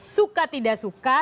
suka tidak suka